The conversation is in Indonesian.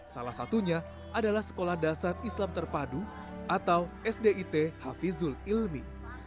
salah satunya adalah sekolah dasar islam terpadu atau sdit hafizul ilmi